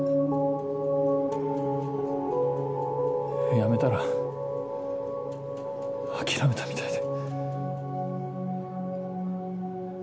やめたら諦めたみたいで。